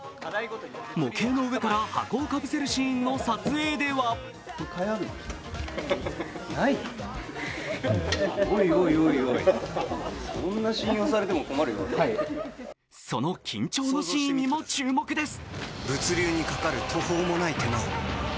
模型の上から箱をかぶせるシーンの撮影ではその緊張のシーンにも注目です。